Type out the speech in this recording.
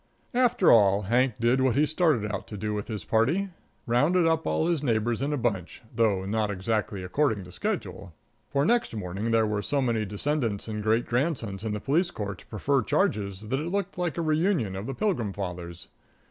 After all, Hank did what he started out to do with his party rounded up all his neighbors in a bunch, though not exactly according to schedule. For next morning there were so many descendants and great grandsons in the police court to prefer charges that it looked like a reunion of the Pilgrim Fathers.